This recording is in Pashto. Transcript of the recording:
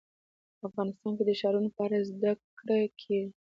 افغانستان کې د ښارونو په اړه زده کړه کېږي.